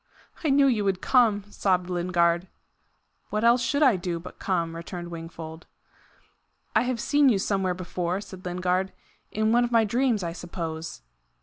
"I knew you would come," sobbed Lingard. "What else should I do but come?" returned Wingfold. "I have seen you somewhere before," said Lingard "in one of my dreams, I suppose."